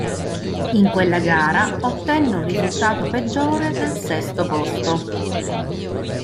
In quella gara ottenne un risultato peggiore del sesto posto.